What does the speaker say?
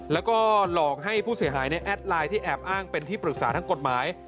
แล้วก็หลอกให้ผู้เสียหายในแอดไลน์ที่แอบอ้างเป็นที่ปรึกษาทางกฎหมาย